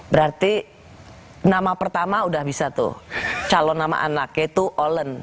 berarti nama pertama udah bisa tuh calon nama anak yaitu olen